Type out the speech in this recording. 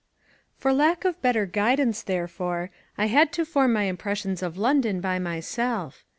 For lack of better guidance, therefore, I had to form my impressions of London by myself.